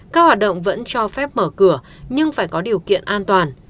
các hoạt động vẫn cho phép mở cửa nhưng phải có điều kiện an toàn